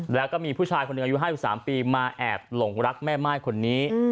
แล้วก็มีผู้ชายคนหนึ่งอายุ๕๓ปีมาแอบหลงรักแม่ม่ายคนนี้